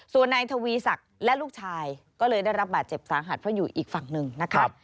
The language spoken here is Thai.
ส่วนนายทวีศักดิ์และลูกชายก็เลยได้รับบาดเจ็บสาหัสเพราะอยู่อีกฝั่งหนึ่งนะครับ